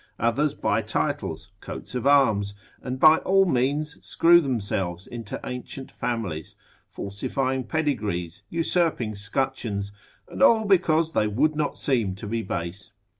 Others buy titles, coats of arms, and by all means screw themselves into ancient families, falsifying pedigrees, usurping scutcheons, and all because they would not seem to be base.